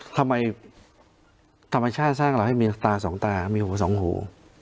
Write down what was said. ธรรมชาติสร้างเราให้มีตาสองตามีหูสองหู